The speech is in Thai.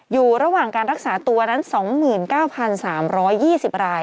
อยู่ระหว่างการรักษาตัวนั้น๒๙๓๒๐ราย